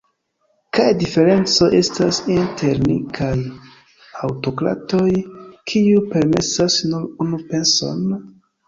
Kiaj diferencoj estas inter ni kaj aŭtokratoj, kiuj permesas nur unu penson?